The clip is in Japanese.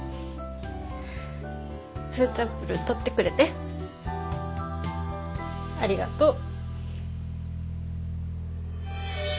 フーチャンプルー取ってくれてありがとう。